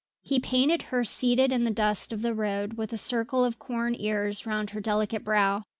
He painted her seated in the dust of the road with a circle of corn ears round her delicate brow.